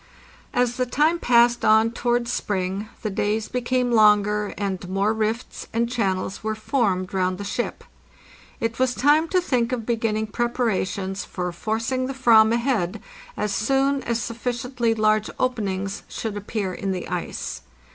As the time passed on towards spring the days became longer, and more rifts and channels were formed round the ship. It was time to think of beginning preparations for forc ing the /vam ahead as soon as sufficiently large openings should appear in the ice.